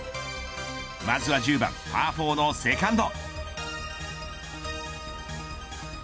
まずは１０番パー４のセカンド。